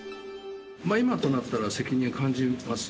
今となったら、責任を感じます。